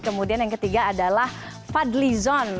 kemudian yang ketiga adalah fadli zon